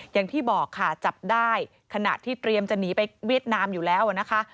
อย่างที่บอกค่ะจับได้ขณะที่เตรียมจะหนีไปเวียดนามอยู่แล้วนะคะ